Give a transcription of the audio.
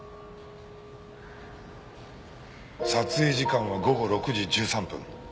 撮影時間は午後６時１３分。